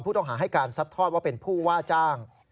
ต้องหาให้การซัดทอดว่าเป็นผู้ว่าจ้าง